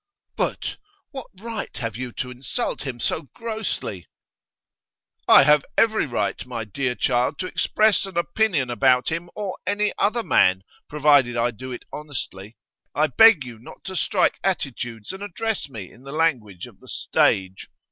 'But what right have you to insult him so grossly?' 'I have every right, my dear child, to express an opinion about him or any other man, provided I do it honestly. I beg you not to strike attitudes and address me in the language of the stage.